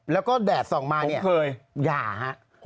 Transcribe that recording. แล้วก็แดดส่องมาเนี่ยหย่าฮะผมเคย